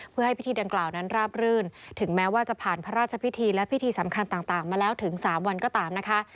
เพื่อให้พิธีดังกล่าวนั้นราบรื่นถึงแม้ว่าจะผ่านพระราชพิธีและพิธีสำคัญต่างมาแล้วถึง๓วันก็ตามนะคะ